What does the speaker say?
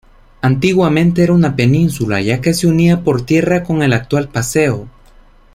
Antiguamente era una península ya que se unía por tierra con el actual paseo.